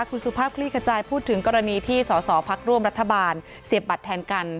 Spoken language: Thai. คุณสุภาพคลี่ขจายพูดถึงกรณีที่สอสอพักร่วมรัฐบาลเสียบบัตรแทนกัน